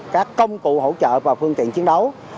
các công cụ hỗ trợ và phương tiện chiến đấu